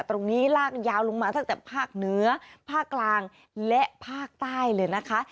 ลากยาวลงมาตั้งแต่ภาคเหนือภาคกลางและภาคใต้เลยนะคะ